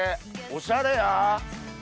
おしゃれや。